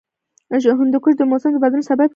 هندوکش د موسم د بدلون سبب کېږي.